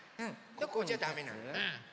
ここじゃダメなのよね。